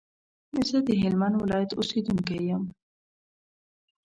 زه د هلمند ولايت اوسېدونکی يم